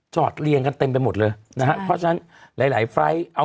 จอดเรียงกันเต็มไปหมดเลยนะฮะข้อฉะนั้นหลายไฟร์ไตท์